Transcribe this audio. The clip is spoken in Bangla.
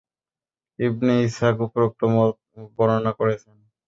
ইবন ইসহাক উপরোক্ত মত বর্ণনা করেছেন।